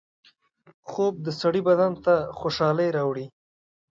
خوب د سړي بدن ته خوشحالۍ راوړي